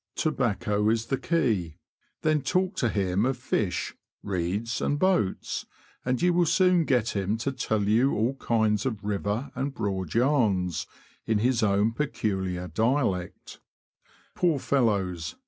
Tobacco is the key ; then talk to him of fish, reeds, and boats, and you will soon get him to tell you all kinds of river and Broad yarns in his own peculiar dialect. 216 THE LAND OF THE BROADS. Poor fellows